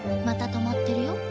また止まってるよ。